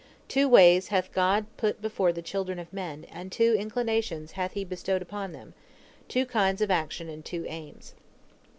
Two ways hath God put before the children of men, and two inclinations hath He bestowed upon them, two kinds of actions and two aims.